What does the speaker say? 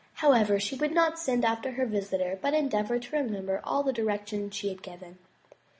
However, she would not send after her visitor, but endeavored to remember all the directions she had given.